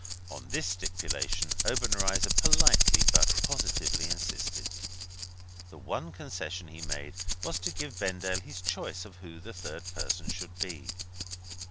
On this stipulation Obenreizer politely but positively insisted. The one concession he made was to give Vendale his choice of who the third person should be.